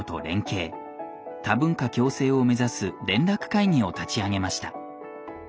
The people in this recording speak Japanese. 多文化共生を目指す連絡会議を立ち上げました。